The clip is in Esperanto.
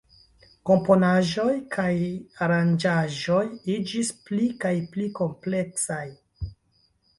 Komponaĵoj kaj aranĝaĵoj iĝis pli kaj pli kompleksaj.